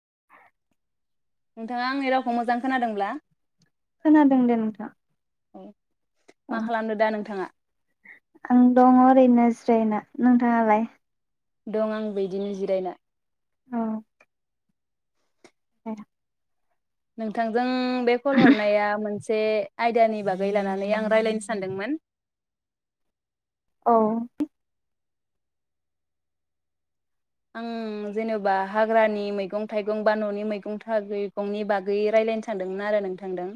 [unintelligible] नोंथाङा आंनि रावखौ मोजां खोनादोंब्ला? खोनादों दे नोंथां। औ मा औ खालामदो दा नोंथाङा? आं दंङ ओरैनो जि जायोना नोंथाङालाय? दं आंबो इदिनो जिरायना। औ। ऐ नोंथांजों बे कल हरनाया मोन से आयदानि बागै लानानै आं रायलायनो सानदोंमोन। औ। आं जेनेबा हाग्रानि मैगं थाइगं बा ननि मैगं थैगंनि बागै रायलायनो सानदोंमोन आरो नोंथांदों।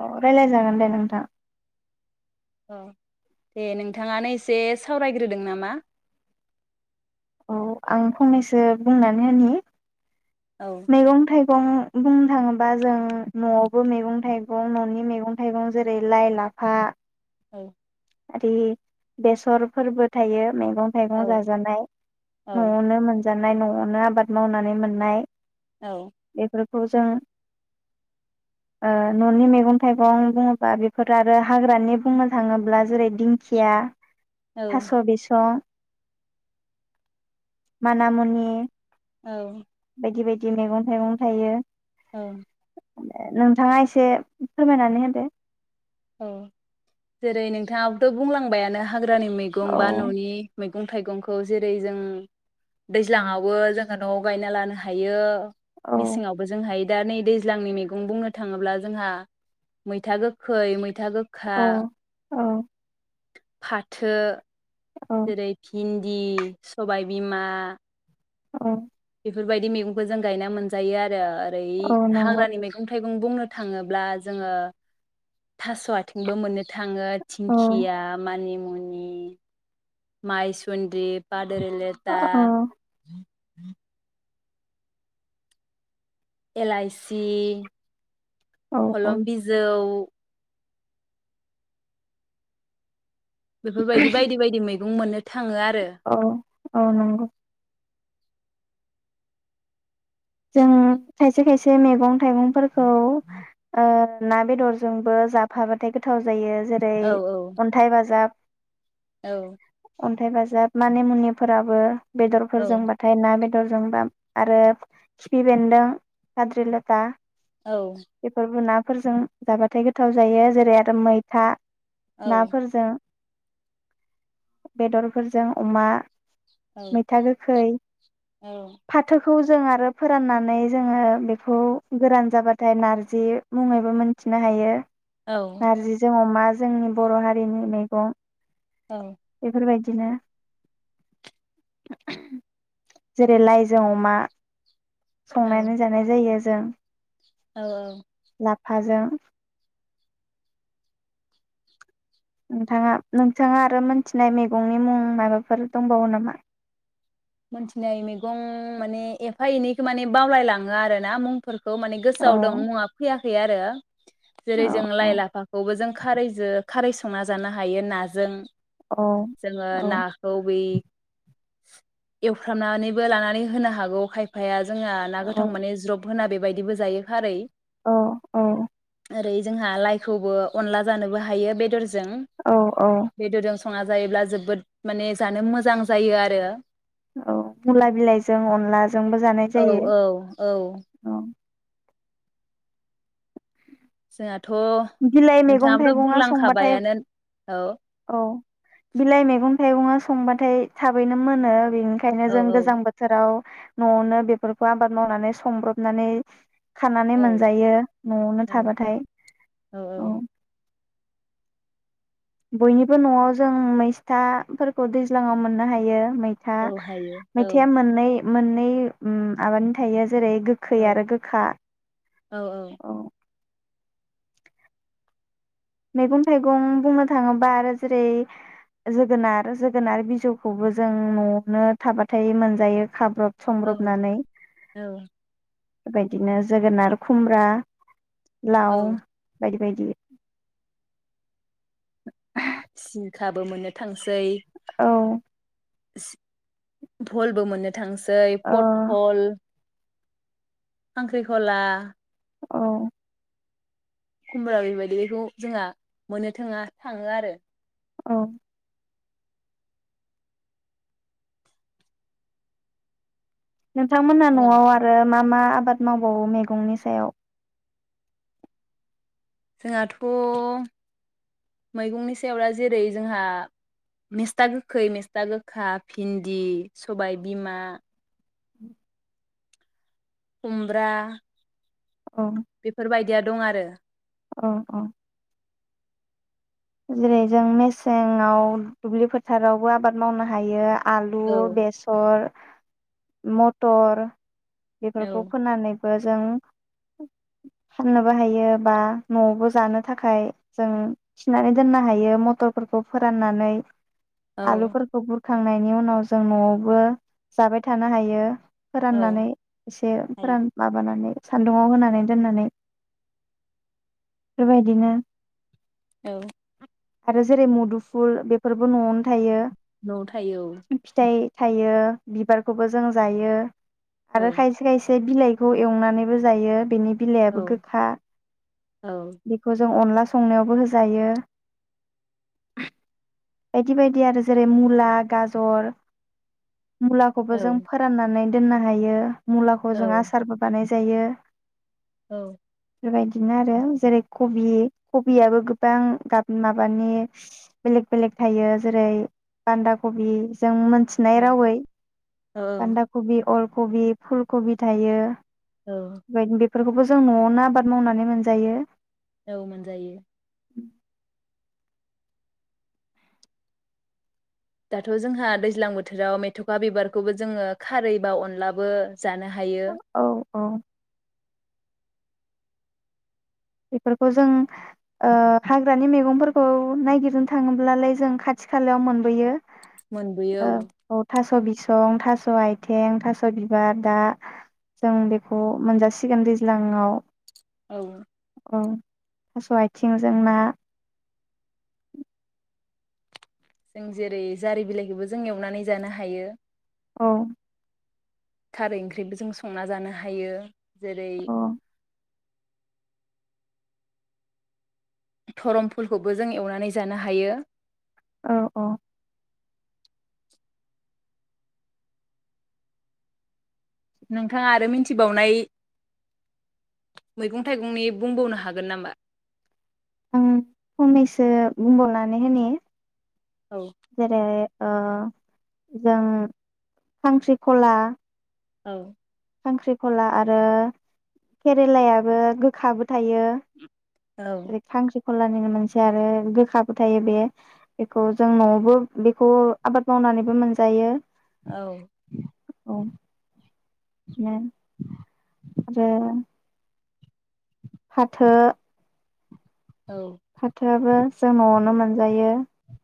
अ रायलाय जागोन दे नोंथां। औ दे नोंथाङानो एसे सावरायग्रोदों नामा। औ आं फंनैसो बुंनानै होनि औ मैगं थाइ गं बुंनो थाङोबा जों नआवबो मैगं थाइगं ननि मैगं थाइगं जेरै लाइ लाफा औ। आरि बेसर फोरबो थायो। मैगं औ थाइगं जाजानाय औ नआवनो मोन जानाय नआवनो आबाद मावनानै मोननाय। औ खौ जों ओ ननि मैगं थाइगं बुङोब्ला बेफोर आरो हाग्रानि बुंनो थाङोब्ला जेरै दिंखिया औ थासबिस मानामुनि। औ बायदि बायदि मैगं थाइगं थायो। औ नोंथाङा एसे फोरमायनानै होदो। औ जेरै नोंथाङाबोथ बुंलांबायानो हाग्रानि मैगं औ बा ननि मै मैगं थाइगंखौ जेरै जों दैज्लाङावबो जों नआव गायना लानो हायो। औ मेसें आवबो जों हाय दा नै दैज्लांनि मेगं बुंनो थाङोब्ला जोंहा मैथा गोखै खै मै मैथा गोखा। औ औ फाथो। औ जेरै भिन दि सबाय बिमा अ बेफोरबायदि मैगंखौ जों गायना मोनजायो आरो। ओइ औ नंगौ हाग्रानि मैगं थाइगं बुंनो थाङोब्ला जोङो थास आथिंबो मोननो था थाङो औ थिंखिया मानि मुनि माइसुनदि पा [unintelligible] औ लेता [unintelligible] एलाइसि औ औ खलम बिजौ बेफोरबायदि बायदि बायदि मै गं मोननो थ औ औ नंगौ। जों खायसे खायसे मेगं थाइगंफोर खौ ओ ना बेदरजोंबो जाफाबाथाय गोथाव जायो। जेरै औ अन्थाइ बाजाब औ अन्थाइ बाजाब मानि मुनिफोराबो औ बेदरफोरजोंबाथाय ना बेद दर जोंबाम आरो खिफि बेन्दों, फाद्रि लटा औ बेफोरबो ना फोरजों जाबाथाय गोथाव जायो जेरै आरो मैथा औ नाफोरजों [inaudible] बेदरफोरजों अमा औ मैथा गोखै, औ फाथो खौ जों आरो फोराननानै जोङो बेखौ गोरान जाबाथाय नारजि मुङैबो मोनथिनो हायो। नारजिजों अमा जोंनि बर' हारिनि मैगं औ बेफोरबायदि बिदिनो [inaudible] जेरै लाइजों अमा संनानै जानाय जायो। जों औ औ। लाफाजों नोंथाङा नोंथाङा आरो मोनथिनाय मेगंनि मुं माबाफोर दंबावो नामा? मोनथिनाय मैगं माने एफा एनैखौ माने बावलायलाङो आरोना मुंफोरखौ खौ माने औ गोसोआव दं मुंआ फैया फै आरो औ जेरै जों औ लाइ लाफाखौबो जों खरैजो खारै संना जानो हायो नाजों। जोङो औ नाखौ बै [inaudible] एवफ्रामनानैबो लानानै होनो हागौ खायफाया जोंहा ना औ गोथां मे ज्रब होना बे बेबायदिबो जायो खारै औ औ ओरै जोंहा लाइखौबो अनला जानोबो हायो बेदर जानो औ औ जों बेदरजों संना जायोब्ला जोबोद माने जानो मोजां जायो आरो औ मुला बिलाइजों अनलाजोंबो जानाय औ जायो औ औ औ। जोंहाथ' बिलाइ मैगं नोंथाङाबोथ' थाइगङा संबाथाय बुंलांखाबायानो औ औ बिलाइ मैगं थाइगङा संबाथाय थाबैनो मोनो बेनिखायनो औ जों औ गोजां बोथोराव नआवनो बेफोरखौ आबाद मावनानै संब्रबनानै खानानै औ मोनजायो नआवनो औ थाबाथाय। औ बयनिबो नआव जों मै सिथाफोरखौ दैज्लाङाव मोननो हायो। मैथा औ हायो औ मैथाया मोननै मोननै आबादनि थायो आरो जेरै गोखै औ आरो गोखा औ। मैगं थाइगं बुंनो थाङोब्ला आरो जेरै जोगोनार जोगोनार बिजौखौबो जों नआवनो थाबाथाय मोनजायो खाब्रब औ संब्रबनानै। औ बेबायदिनो जोगोनार खुमब्रा लाव औ बायदि बायदि सिंखाबो मोननो थांसै। औ सि भलबो मोनो थांसै औ पट हल ख्रांख्रिखला औ खुमब्रा बेबायदिखौ जोंहा मोननो थाङा थाङो आरो औ नोंथांमोना जोंहा नआव आरो मा मा आबाद मावबावो मैगंनि सायाव? जोंहाथ' मैगंनि सायाव दा जेरै जोंहा मेस्था गोखै, मेस्था गोखा, भिन्दि, सबाय बिमा खुमब्रा अ बेफोरबायदिया दं आरो अ अ जेरै जों मेसेंआव दुब्लि फोथारावबो आबाद मावनो हायो आलु, औ बेसर मटर बेफोरखौ औ फोननानै बो जों फाननोबो हायो बा नआवबो जानो थाखाय जों थिनानै दोननो हायो मथरफोरखौ फोराननानै औ आलुफोरखौ बुर खांनायनि उनाव जों नआवबो जाबाय थानो हायो। औ फोराननानै एसे हायो फोरान माबानानै सान्दुुंआव होनानै दोननानै बेबायदिनो औ आरो जेरै मुदुफुल बेफोरबो नआवनो थायो नआव थायो औ फिथाइ थायो बिबारखौबो जों जायो औ आरो खायसे खायसे बिलाइखौ एवनानैबो जायो बेनि औ बिलायाबो गोखा औ बेखौ जों अनला संनायावबो हो जायो बायदि बायदि आरो जेरै मुला, गाजर मुलाखौबो औ जों फोराननानै दोननो हायो। मुलाखौ जों आसारबो बानाय जायो। औ बेबायदिनो आरो जेरै कबि कबियाबो गो बां गाब माबानि बेलेक बेलेक थायो जेरै बान्दा कबि जों मोनथिनाय औ रावै बान्दा कबि, अल कबि फुल, कबि थायो। औ बेबायदिनो बेफोरखौबो जों नआवनो आबाद मावनानै मोनजायो। औ मोनजायो। दाथ जोंहा दैज्लां बोथोराव मेथखा बिबारखौबो जोङो खारै बा अनलाबो जानो हायो औ औ बेफोरखौ जों ओ हाग्रानि मैंगंफोरखौ नायागिरनो थाङोब्लालाय जों खाथि खालायाव मोनबोयो मोनबोयो औ बसं थास आइथिं थास बिबार दा जों बेखौ मोनजासिगोन दैज्लाङाव। औ ओं थास आथिंजों ना जों जेरै जारि बिलाइखौबो जों एवनानै जानो हायो। औ खारै ओंख्रिबो जों संना जानो हायो जेरै औ धरम फुलखौबो जों एवनानै जानो हायो। औ औ नोंथाङा आरो मिथिबावनाय मैगं-थाइगंनि बुंबावनो हागोन नामा आं फंनैसो बुंबावनानै होनि औ जेरै ओ जों खांख्रिखला औ खांख्रिखला आरो केरेलायाबो गोखाबो थायो औ ओरै खांख्रि खलानिनो मोनसे आरो गोखाबो थायो बे बेखौ जों नआवबो बेखौ आबाद मावनानैबो मोनजायो औ औ [unintelligible] ओमफ्राय आरो फाथो औ फाथो आबो जों नआवनो मोनजायो।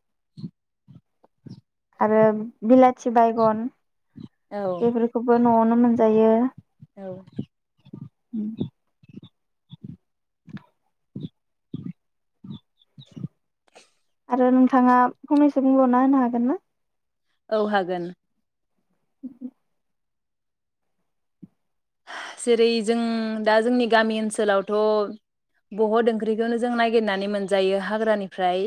[inaudible] आरो बिला थि बायगन औ बेफोरखौबो नआवनो मोनजायो औ आरो नोंथाङा फंनैसो बुंबावना होनो हागोन ना औ हागोन [inaudible] जेरै जों दा जोंनि गामि ओनसोलावथ बहद ओंख्रिखौनो जों नागिरनानै मोनजायो हाग्रानिफ्राय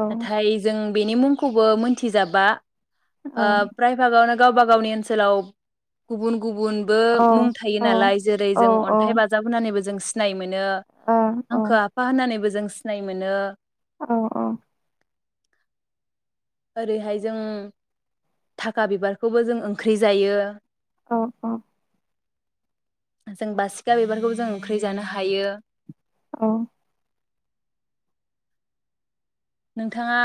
औ नाथाय जों बेनि मुंखौबो मोनथिजाबा औ ओ प्रायभागावनो गावबा गावनि ओनसोलाव गुबुन गुबुनबो औ मुं थायो औ नालाय जेरै औ ओ जों औ अन्थाइ बाजाब होनानैबो जों सिनाय मोन [unintelligible] औ आंखो आफा होननानैबो जों सिनाय मोनो औ औ ओरैहाय जों थाखा बिबारखौबो जों ओंख्रि जायो। औ औ जों बासिखा बिबारखौ जों ओंख्रि जानो हायो। औ नोंथाङा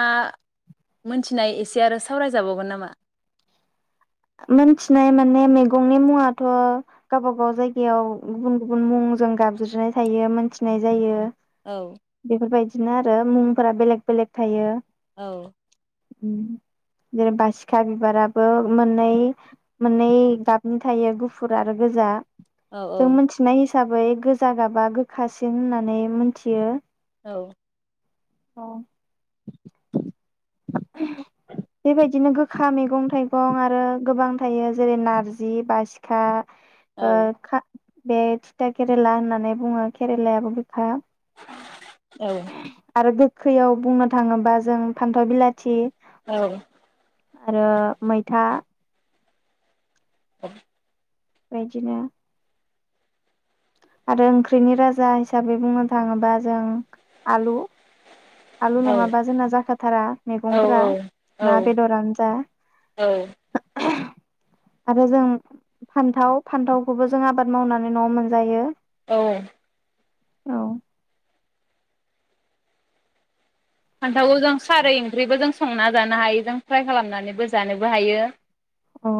मोनथिनाय एसे आरो सावरायजाबावगोन नामा? मोनथिनाय माने मैगंनि मुङाथ' गावबा गाव जायगायाव गुबुन गुबुन मुंजों गाबज्रिनाय थायो मोनथि फिसिनाय जायो औ बेफोरबायदि बिदिनो आरो मुंफोरा बेलेक बेलेक थायो। औ। उम जेनेबा सिखा बिबाराबो मोननै मोननै गाबनि थायो गुफुर आरो गोजा। औ जों मोन्थिनाय हिस हिसाबै गोजा गाबा गोखासिन होननानै मोनथियो। औ। अ बेबायदिनो गो खा मैगं थाइगं आरो गोबां थायो जेरै नारजि बासिखा औ ओ खा बे थिथा केरेला होननानै बुङो केरेलायाबो गोखा औ आरो गोखैयाव बुंनो थाङोबा जों फान्थाव बिलाथि। औ आरो मैथा। [unintelligible] बेदिनो आरो ओंख्रिनि राजा हिसाबै बुंनो थाङोबा जों आलु आलु नङाबा जोंना जाखाथारा औ मैगंफोरा ना बेदरानो जा औ आरो जों फान्थाव फान्थावखौबो जों आबाद मावनानै न'आव मोनजायो। औ औ औ फान्थावखौ जों खारै ओंख्रिबो जों संना जानो हायो जों फ्राय खालामनानैबो जानोबो हायो। अ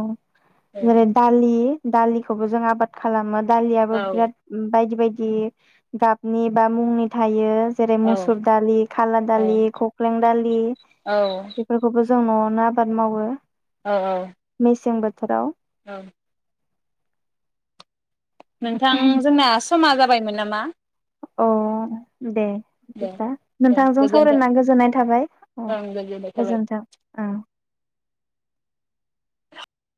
जेरै औ दालि दालिखौबो जों आबाद खालामोत दालियाबो औ बिराद बायदि बायदि दि गाबनि बा मुंनि थायो जेरै औ मुसुर दालि खाला दालि खख्लें दालि औ बेफोरखौबो जों नआवनो आबाद मावो औ औ मेसें बोथोराव औ नोंथां जोंना समा जाबायमोन नामा? अ दे दे बिदिब्ला दे नोंथांजों गोजोन्थों सावरायना गोजोननाय थाबाय अ ओं गोजोननाय थाबाय गोजोनथों ओं